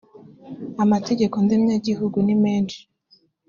amategeko ndemyagihugu nimeshi.